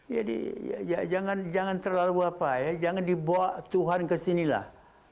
jadi jangan terlalu apa ya jangan dibawa tuhan kesinilah